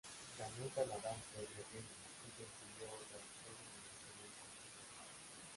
Ganó en Canadá un Premio Gemini y consiguió otras tres nominaciones a ese premio.